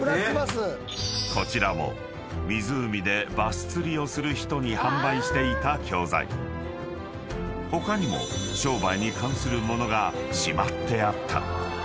［こちらも湖でバス釣りをする人に販売していた教材］［他にも商売に関する物がしまってあった］